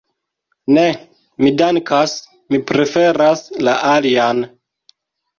Ne, mi dankas, mi preferas la alian.